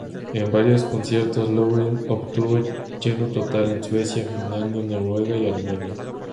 En varias conciertos, Loreen obtuvo lleno total en Suecia, Finlandia, Noruega y Alemania.